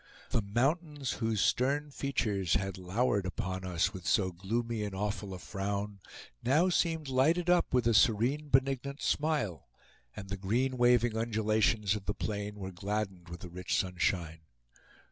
The mountains, whose stern features had lowered upon us with so gloomy and awful a frown, now seemed lighted up with a serene, benignant smile, and the green waving undulations of the plain were gladdened with the rich sunshine.